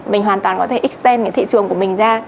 mình hoàn toàn có thể xên cái thị trường của mình ra